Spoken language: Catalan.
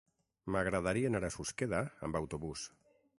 M'agradaria anar a Susqueda amb autobús.